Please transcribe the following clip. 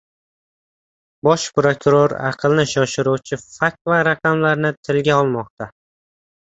Bosh prokuror aqlni shoshiruvchi fakt va raqamlarni tilga olmoqda